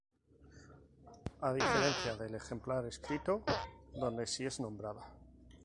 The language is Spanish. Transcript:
A diferencia del ejemplar escrito, donde sí es nombrada.